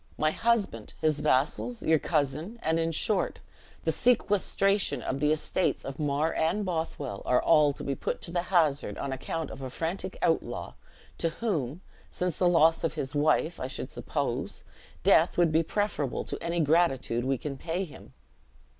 My husband, his vassals, your cousin, and, in short, the sequestration of the estates of Mar and Bothwell, are all to be put to the hazard on account of a frantic outlaw, to whom, since the loss of his wife, I should suppose, death would be preferable to any gratitude we can pay him."